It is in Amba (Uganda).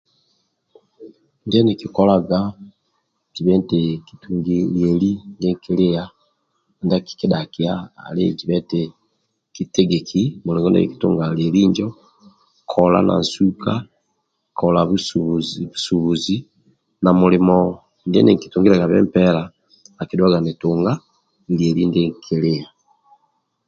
Ndie nikikolaga zibe eti kitungi ndie kikilia ndia akikidhakia ali zibe eti kitegeki mulingo ndie kikitunga lieli injo kola na nsuka kola busubuzi na mulimo ndie nikitungiliagabe mpela akidhuaga nitunga lieli ndie nikilia